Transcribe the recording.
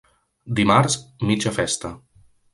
Dimarts, mitja festa.